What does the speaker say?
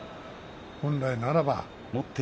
本来ならば。